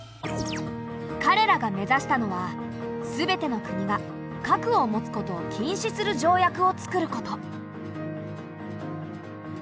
かれらが目指したのはすべての国が核を持つことを禁止する条約を作ること。